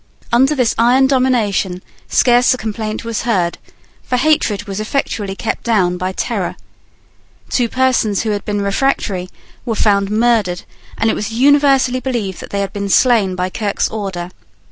Under this iron domination scarce a complaint was heard; for hatred was effectually kept down by terror. Two persons who had been refractory were found murdered; and it was universally believed that they had been slain by Kirke's order.